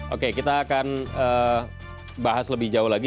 oke kita akan bahas lebih jauh lagi